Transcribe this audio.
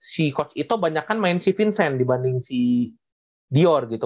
si coach ito banyak kan main si vincent dibanding si dior gitu